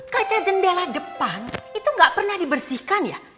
kaca jendela depan itu gak pernah dibersihkan ya